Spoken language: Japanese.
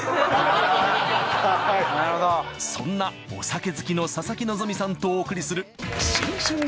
そんなお酒好きの佐々木希さんとお送りする新春